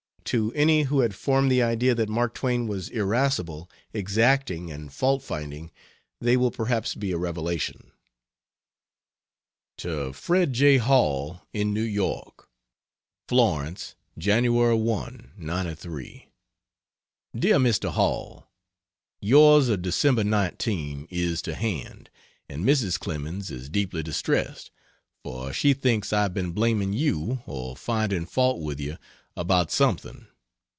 To any who had formed the idea that Mark Twain was irascible, exacting, and faultfinding, they will perhaps be a revelation. To Fred J. Hall, in New York: FLORENCE, Jan. 1, '93. DEAR MR. HALL, Yours of Dec. 19 is to hand, and Mrs. Clemens is deeply distressed, for she thinks I have been blaming you or finding fault with you about something.